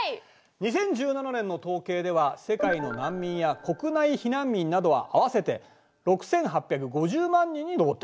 ２０１７年の統計では世界の難民や国内避難民などは合わせて６，８５０万人に上ってる。